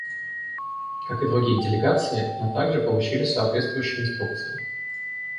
Как и другие делегации, мы также получили соответствующие инструкции.